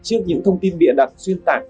trước những thông tin bịa đặt xuyên tạc